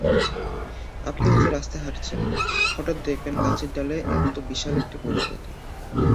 আপনি হয়তো রাস্তায় হাঁটছেন, হঠাৎ দেখবেন গাছের ডালে এত্ত বিশাল একটা প্রজাপতি।